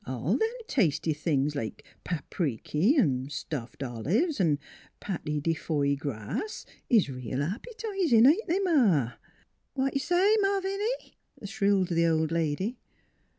" All them tasty things, like pap reeky 'n' stuffed olives 'n' 'n' patty de foy grass, is reel appetizin'; ain't they, Ma?" "What say, Malviny?" shrilled the old lady.